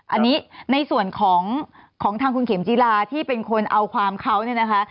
อันนี้ในส่วนของของทางคุณเข็มจีราที่เป็นคนเอาความเขาเนี่ยนะคะ